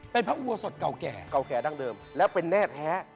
เป็นพระอุโบสถเก่าแก่เก่าแก่ดั้งเดิมและเป็นแน่แท้